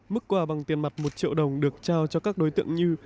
mức quà bằng tiền mặt một triệu đồng được trao cho các đối tượng như